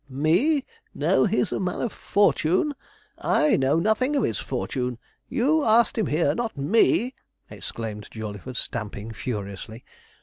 'ME know he's a man of fortune! I know nothing of his fortune. You asked him here, not ME,' exclaimed Jawleyford, stamping furiously.